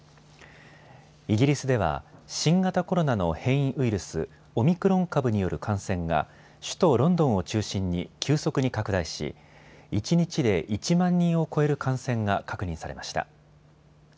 イギリスでは新型コロナの変異ウイルス、オミクロン株による感染が首都ロンドンを中心に急速に拡大し一日で１万人を超える感染が確認されました。